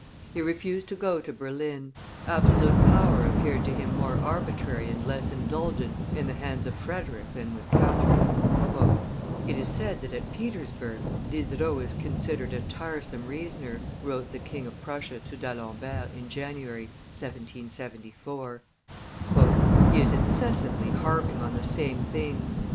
He refused to go to Berlin; absolute power appeared to him more arbitrary and less indulgent in the hands of Frederick than with Catherine. "It is said that at Petersburg Diderot is considered a tiresome reasoner," wrote the King of Prussia to D' Alembert in January, 1774; "he is incessantly harping on the same things.